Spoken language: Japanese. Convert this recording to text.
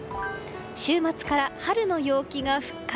週末から春の陽気が復活。